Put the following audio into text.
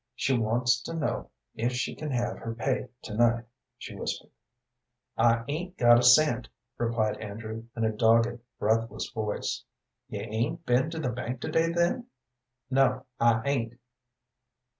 "She wants to know if she can have her pay to night," she whispered. "I 'ain't got a cent," replied Andrew, in a dogged, breathless voice. "You 'ain't been to the bank to day, then?" "No, I 'ain't."